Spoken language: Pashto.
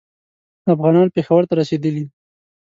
افغانان پېښور ته رسېدلي.